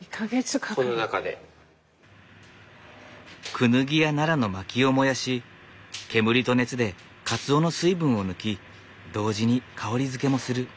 クヌギやナラの薪を燃やし煙と熱でかつおの水分を抜き同時に香りづけもする。